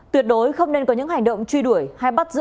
tuyệt đối không nên có những hành động truy đuổi hay bắt giữ